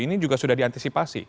ini juga sudah diantisipasi bu adhita